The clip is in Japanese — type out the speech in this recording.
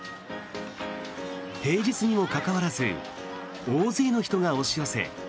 平日にもかかわらず大勢の人が押し寄せ